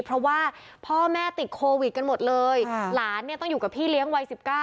เพราะว่าพ่อแม่ติดโควิดกันหมดเลยหลานเนี่ยต้องอยู่กับพี่เลี้ยงวัย๑๙